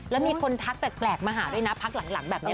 แล้วมีคนทักแปลกมาหาด้วยนะพักหลังแบบนี้